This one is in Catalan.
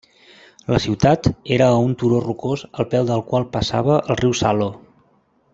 La ciutat era a un turó rocós al peu del qual passava el riu Salo.